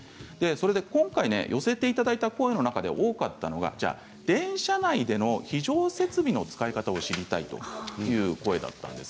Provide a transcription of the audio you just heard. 今回寄せていただいた声の中で多かったのが電車内での非常設備の使い方を知りたいという声だったんです。